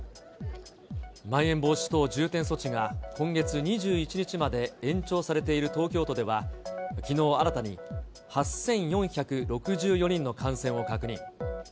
まん延防止等重点措置が今月２１日まで延長されている東京都では、きのう新たに８４６４人の感染を確認。